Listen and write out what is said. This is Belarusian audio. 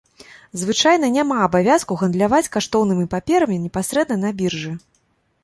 Звычайна, няма абавязку гандляваць каштоўнымі паперамі непасрэдна на біржы.